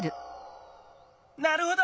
なるほど！